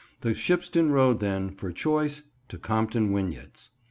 The Shipston road then, for choice, to Compton Wynyates.